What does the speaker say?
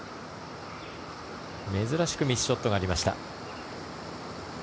珍しくミスショットがありました。